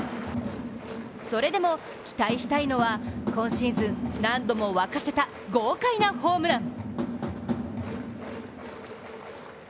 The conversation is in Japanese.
それでも期待したいのは今シーズン何度も沸かせた、豪快なホームラン。